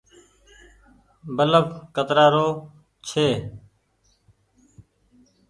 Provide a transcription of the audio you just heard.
بلڦ ڪترآ رو ڇي۔